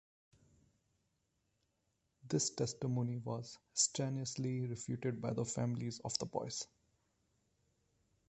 This testimony was strenuously refuted by the families of the boys.